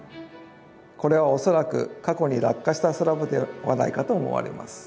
これは恐らく過去に落下したスラブではないかと思われます。